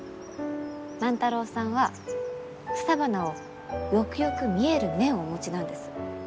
万太郎さんは草花をよくよく見える目をお持ちなんです。